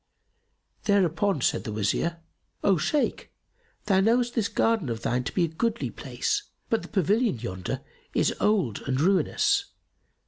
Thereupon said the Wazir, "O Shaykh, thou knowest this garden of thine to be a goodly place; but the pavilion yonder is old and ruinous.